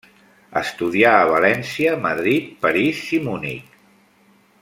Estudià a València, Madrid, París i Munic.